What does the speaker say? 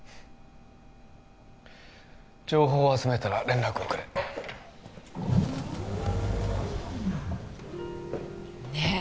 情報を集めたら連絡をくれねっ